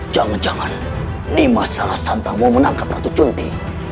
jangan jangan nimas salah santang mau menangkap ratu junti